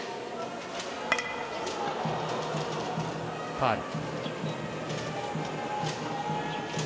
ファウル。